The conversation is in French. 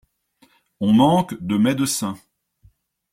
On manque de médecins.